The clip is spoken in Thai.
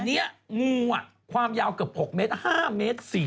แต่นี้งูความยาวเกือบ๖เม็ด๕เม็ด๔๐